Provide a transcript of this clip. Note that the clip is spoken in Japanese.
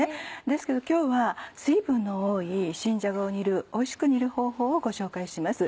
ですけど今日は水分の多い新じゃがをおいしく煮る方法をご紹介します